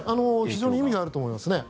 非常に意味があると思いますね。